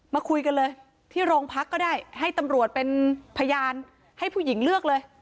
มาคุยกันเลยที่โรงพักก็ได้ให้ตำรวจเป็นพยานให้ผู้หญิงเลือกเลย